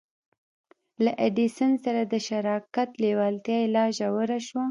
له ايډېسن سره د شراکت لېوالتیا يې لا ژوره شوه.